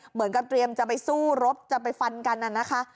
เหมือนกับเตรียมจะไปสู้รบจะไปฟันกันน่ะนะคะ